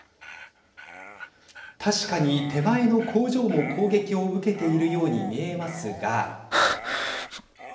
確かに手前の工場も攻撃を受けているように見えますが。